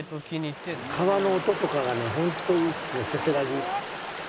川の音とかがね本当いいですよせせらぎ。